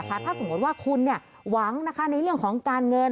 ถ้าสมมุติว่าคุณเนี่ยหวังนะคะในเรื่องของการเงิน